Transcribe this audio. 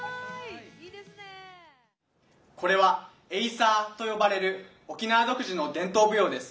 これはエイサーと呼ばれる沖縄独自の伝統舞踊です。